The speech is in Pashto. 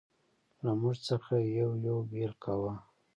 له موږ څخه یې یو یو بېل کاوه.